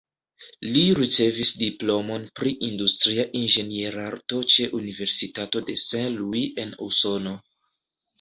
Li ricevis diplomon pri industria inĝenierarto ĉe Universitato de Saint Louis en Usono.